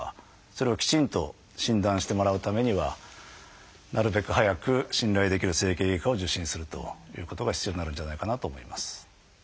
それをきちんと診断してもらうためにはなるべく早く信頼できる整形外科を受診するということが必要になるんじゃないかなと思います。